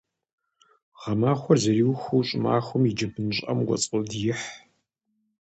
Гъэмахуэр зэриухыу щӀымахуэм и джэбын щӀыӀэм укӀуэцӀодиихь.